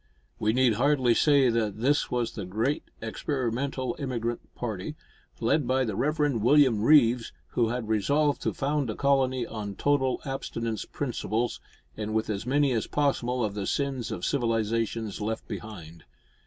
We need hardly say that this was the great experimental emigrant party, led by the Reverend William Reeves, who had resolved to found a colony on total abstinence principles, and with as many as possible of the sins of civilisation left behind.